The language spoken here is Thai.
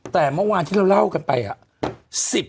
แต่เมื่อวานที่เราเล่ากันไป